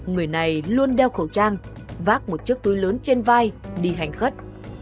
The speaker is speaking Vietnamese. người này luôn đeo khẩu trang vác một chiếc túi lớn trên vai đi hành khất